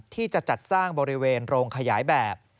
ที่จะจัดสร้างบริเวณโรงขยายแบบ